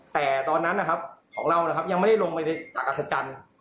แต่ตอนนั้นนะครับของเรานะครับยังไม่ได้ลงไปในอากาศอัศจรรย์